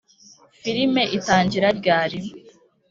filime itangira ryari?